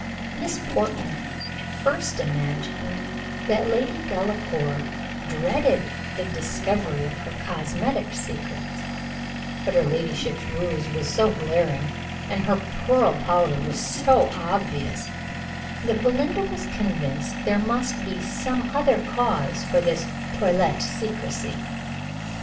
Miss Portman at first imagined that Lady Delacour dreaded the discovery of her cosmetic secrets, but her ladyship's rouge was so glaring, and her pearl powder was so obvious, that Belinda was convinced there must be some other cause for this toilette secrecy.